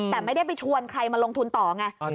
แต่ไม่ได้ไปชวนใครมาลงทุนต่อไง